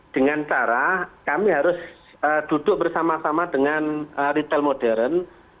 dengan cara kami harus duduk bersama sama dengan retail modern enam puluh empat puluh